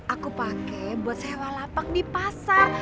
aku pakai buat sewa lapak di pasar